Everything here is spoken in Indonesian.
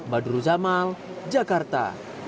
badru zamal jakarta